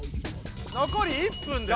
のこり１分です。